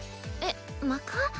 えっ「まか」？